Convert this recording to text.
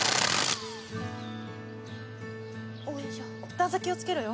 段差気をつけろよ。